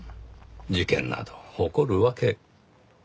事件など起こるわけ。